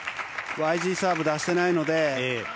ＹＧサーブ出してないので。